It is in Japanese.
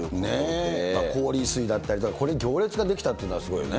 ねぇ、氷水だったり、これに行列が出来たっていうのは、すごいよね。